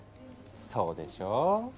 そうでしょう！